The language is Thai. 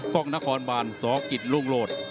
กล้องนครบานสกิจรุ่งโลศ